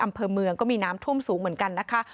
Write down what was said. อำเภอเมืองก็มีน้ำท่วมสูงเหมือนกันนะคะ